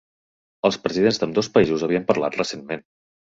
Els presidents d'ambdós països havien parlat recentment.